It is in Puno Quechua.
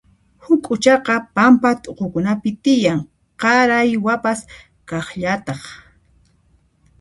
Huk'uchaqa pampa t'uqukunapi tiyan, qaraywapas kaqllataq.